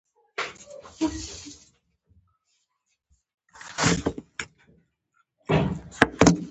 د کاربن ډای اکسایډ تودوخه زیاتوي.